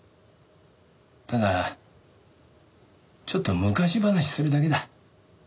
ただちょっと昔話するだけだ。